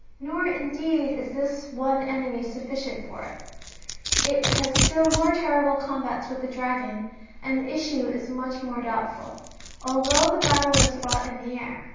Nor, indeed, is this one* enemy sufficient for it ; it has still more terrible combats with the dragon,^^ and the issue is much more doubtful, although the battle is fought in the air.